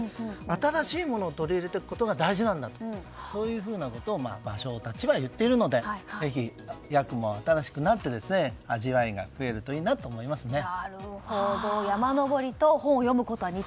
新しいものを取り入れていくことが大事だとそういうふうなことを芭蕉たちは言っているのでぜひ訳も新しくなって味わいが増えるといいなと思いますね。